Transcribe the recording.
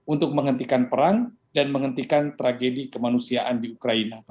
untuk menghentikan perang dan menghentikan tragedi kemanusiaan di ukraina